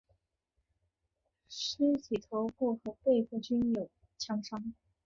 尸体头部和背部均有枪伤。